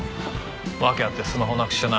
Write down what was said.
訳あってスマホなくしてな。